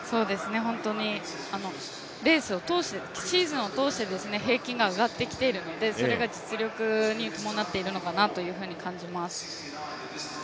本当にシーズンを通して平均が上がってきているのでそれが実力に伴っているのかなというふうに感じます。